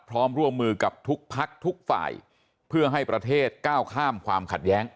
พร้อมร่วมมือกับทุกพักทุกฝ่ายเพื่อให้ประเทศก้าวข้ามความขัดแย้ง